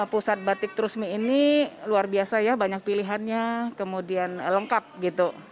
pusat batik trusmi ini luar biasa ya banyak pilihannya kemudian lengkap gitu